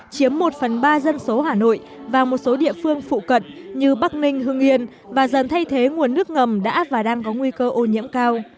chiếm một phần ba dân số hà nội và một số địa phương phụ cận như bắc ninh hưng yên và dần thay thế nguồn nước ngầm đã và đang có nguy cơ ô nhiễm cao